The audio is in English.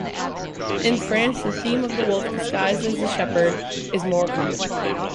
In France the theme of the wolf disguised as a shepherd is more common.